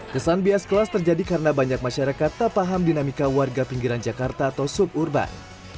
kesan bias kelas terjadi karena banyak masyarakat tak paham dinamika warga pinggiran jakarta atau suburban